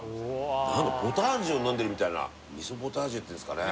何だポタージュを飲んでるみたいな味噌ポタージュっていうんですかね